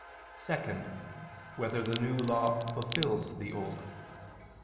(2) Whether the New Law fulfils the Old?